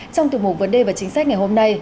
trong tiềm mục vấn đề và chính sách ngày hôm nay